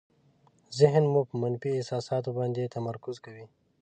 ذهن مو په منفي احساساتو باندې تمرکز کوي.